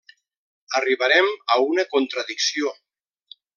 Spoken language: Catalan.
Arribarem a una contradicció.